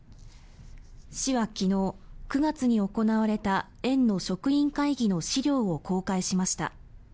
市は昨日、９月に行われた園の職員会議の資料を公開しました。